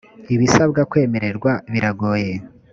ibisabwa kwemererwa biragoye.